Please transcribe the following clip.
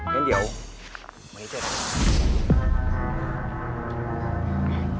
งั้นเดี๋ยวมานี้เจอกัน